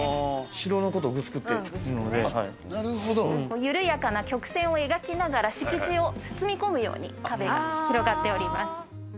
城のことをグスクっていうん緩やかな曲線を描きながら、敷地を包み込むように壁が広がっております。